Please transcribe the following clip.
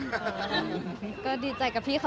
มันเป็นปัญหาจัดการอะไรครับ